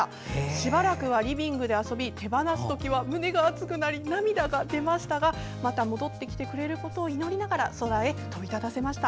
しばらくはリビングで遊び手放す時は胸が熱くなり涙が出ましたがまた戻ってきてくれることを祈りながら空へ飛び立たせました。